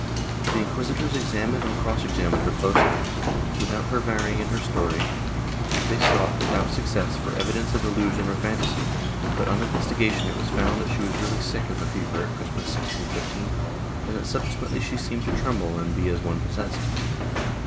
The inquisitors examined and cross examined her closely, without her varying in her story ; they sought, without success, for evidence of illusion or fantasy, but, on investigation it was found that she was really sick of a fever at Christmas, 1615, and that subsequently she seemed to tremble and be as one possessed.